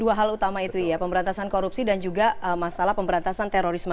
dua hal utama itu ya pemberantasan korupsi dan juga masalah pemberantasan terorisme